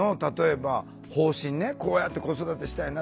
こうやって子育てしたいなと。